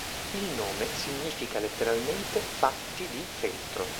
Il nome significa letteralmente "fatti di feltro".